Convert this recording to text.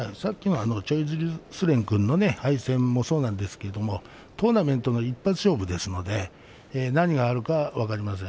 チョイジルスレンの敗戦もそうなんですけどトーナメントは一発勝負ですから何があるか分かりません。